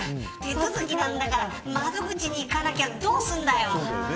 手続きなんだから窓口に行かなきゃどうすんだよ。